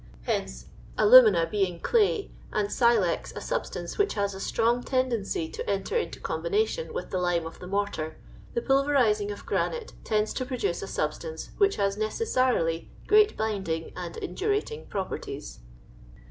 Hence, alumina being clay, and silex a sub stance which has a strong tendency to enter into com bination with the lime of the mortar, the pulverizing of granite tends to produce a substance which has necessarily great binding and indurating properties.